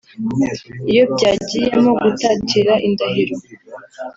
Iyo byagiyemo gutatira indahiro